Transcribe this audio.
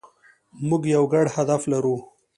موږ یو ګډ هدف لرو.